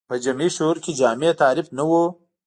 په جمعي شعور کې جامع تعریف نه و